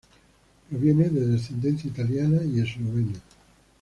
Proviene de descendencia italiana y eslovena.